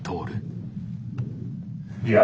いや。